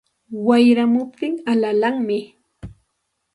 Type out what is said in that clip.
Wayramuptin alalanmi